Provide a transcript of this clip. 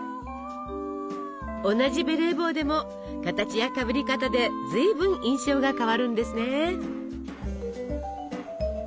同じベレー帽でも形やかぶり方でずいぶん印象が変わるんですね。